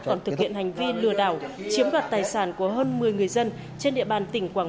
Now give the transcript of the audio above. còn thực hiện hành vi lừa đảo chiếm đoạt tài sản của hơn một mươi người dân